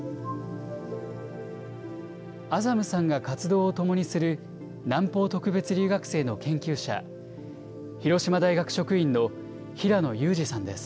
アザムさんが活動を共にする南方特別留学生の研究者、広島大学職員の平野裕次さんです。